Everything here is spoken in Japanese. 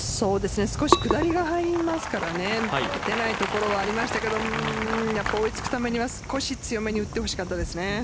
少し下りが入りますから出ないところはありましたけど追いつくためには少し強めに打ってほしかったです。